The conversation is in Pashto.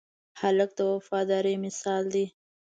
هلک د وفادارۍ مثال دی.